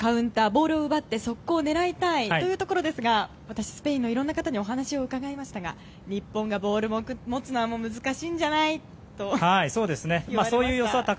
ボールを奪って速攻を狙いたいところですが私、スペインのいろんな方にお話を伺いましたが日本がボールを持つのは難しいんじゃない？と言われました。